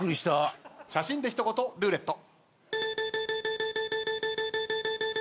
写真で一言ルーレット。